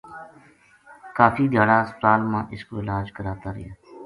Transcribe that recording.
کافی دھیاڑا ہسپتال ما اسکو علاج کراتا رہیا